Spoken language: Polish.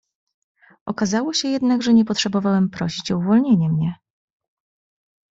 "Okazało się jednak, że nie potrzebowałem prosić o uwolnienie mnie."